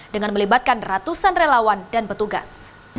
dengan melibatkan ratusan relawan dan petugas